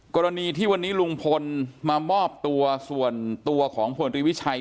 กรณีที่วันนี้ลุงพลมามอบตัวส่วนตัวของพลตรีวิชัย